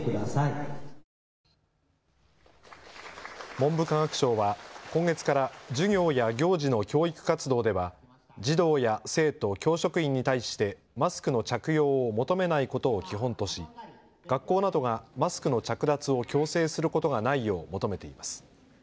文部科学省は今月から授業や行事の教育活動では児童や生徒、教職員に対してマスクの着用を求めないことを基本とし学校などがマスクの着脱を強制することがないよう求めています。